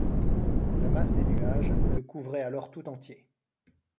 La masse des nuages le couvrait alors tout entier.